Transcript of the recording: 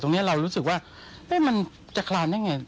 เรารู้สึกว่ามันจะคลานได้ไง